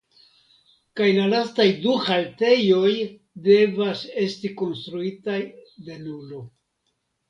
Kaj la lastaj du haltejoj devas esti konstruitaj de nulo.